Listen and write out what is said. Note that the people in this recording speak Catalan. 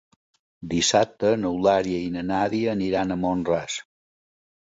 Dissabte n'Eulàlia i na Nàdia aniran a Mont-ras.